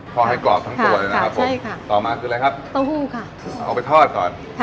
ทอดให้กรอบทั้งตัวเลยนะครับผมใช่ค่ะต่อมาคืออะไรครับเต้าหู้ค่ะเอาไปทอดก่อน